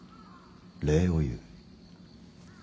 礼を言う。